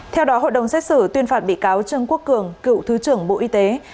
theo đó hội đồng xét xử tuyên phạt bị cáo trương quốc cường cựu thứ trưởng bộ y tế